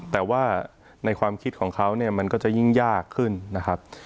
แต่ว่าในความคิดของเขาเนี่ยมันก็จะยิ่งยากขึ้นนะครับ